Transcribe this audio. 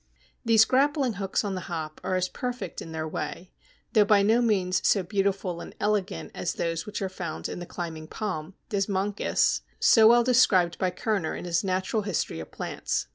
These grappling hooks on the Hop are as perfect in their way, though by no means so beautiful and elegant as those which are found in the climbing palm, Desmoncus, so well described by Kerner in his Natural History of Plants.